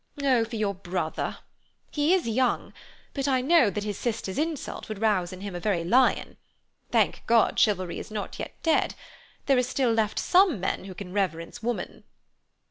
Oh, for your brother! He is young, but I know that his sister's insult would rouse in him a very lion. Thank God, chivalry is not yet dead. There are still left some men who can reverence woman."